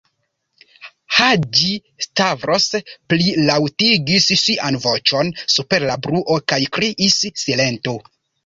Haĝi-Stavros plilaŭtigis sian voĉon super la bruo kaj kriis: "Silentu!"